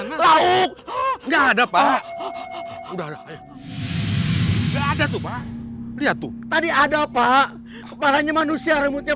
nggak ada pak udah ada tuh pak lihat tuh tadi ada pak kepalanya manusia remutnya